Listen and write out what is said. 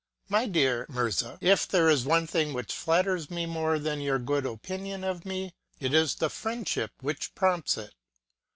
My dear Mirza, if there is one thing which flatters me more than your good opinion of me, it is the friendship which prompts it.